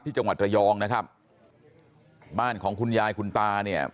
จังหวัดระยองนะครับบ้านของคุณยายคุณตาเนี่ย